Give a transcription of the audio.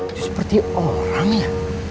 itu seperti orang ya